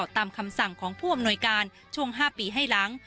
ตามคำสั่งของผู้อำนวยการช่วง๕ปีให้หลัง